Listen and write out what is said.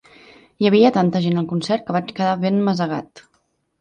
Hi havia tanta gent al concert que vaig quedar ben masegat.